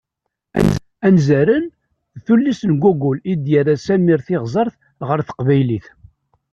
"Anzaren", d tullist n Gogol i d-yerra Samir Tiɣzert ɣer teqbaylit.